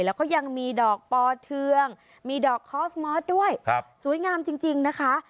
แล้วก็ยังมีดอกปอเทืองมีดอกคอสมอสด้วยสวยงามจริงนะคะ